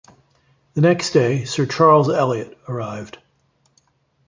The next day "Sir Charles Elliot" arrived.